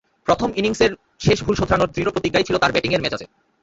প্রথম ইনিংসের শেষ ভুল শোধরানোর দৃঢ় প্রতিজ্ঞাই ছিল তাঁর ব্যাটিংয়ের মেজাজে।